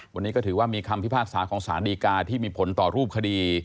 วันนี้ก็ถือว่ามีคำพิพากษาของสารดีกาที่มีผลต่อรูปคดี